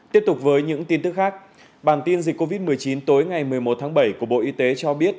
tiếp tục với những tin tức khác bản tin dịch covid một mươi chín tối ngày một mươi một tháng bảy của bộ y tế cho biết